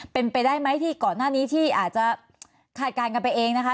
เป็นไปได้ไหมที่ก่อนหน้านี้ที่อาจจะคาดการณ์กันไปเองนะคะ